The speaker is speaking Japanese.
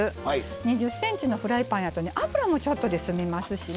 ２０ｃｍのフライパンやとね油もちょっとで済みますしね。